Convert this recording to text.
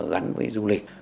gắn với du lịch